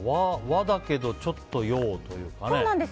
和だけどちょっと洋というかね。